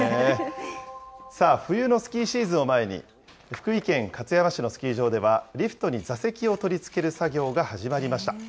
冬のスキーシーズンを前に、福井県勝山市のスキー場では、リフトに座席を取り付ける作業が始まりました。